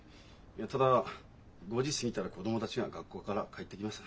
ただ５時過ぎたら子供たちが学校から帰ってきます。